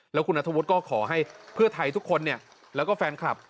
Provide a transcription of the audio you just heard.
แล้วคุณนัทธวุฒิก็ขอให้เพื่อไทยทุกคนแล้วก็แฟนคลับ